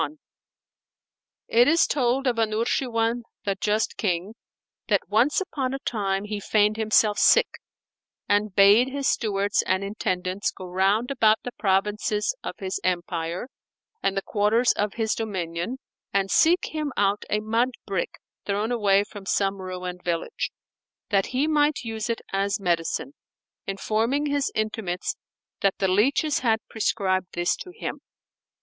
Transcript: [FN#463] It is told of Anushirwan, the Just King, that once upon a time he feigned himself sick, and bade his stewards and intendants go round about the provinces of his empire and the quarters of his dominion and seek him out a mud brick thrown away from some ruined village, that he might use it as medicine, informing his intimates that the leaches had prescribed this to him.